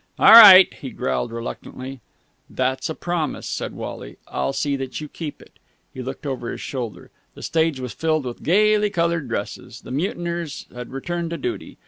"All right!" he growled reluctantly. "That's a promise," said Wally. "I'll see that you keep it." He looked over his shoulder. The stage was filled with gaily coloured dresses. The mutineers had returned to duty.